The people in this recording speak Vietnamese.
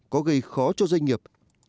có gây khó cho doanh nghiệp